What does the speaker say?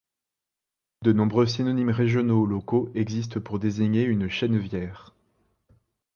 De nombreux synonymes régionaux ou locaux existent pour désigner une chènevière.